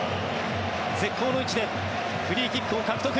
絶好の位置でフリーキックを獲得。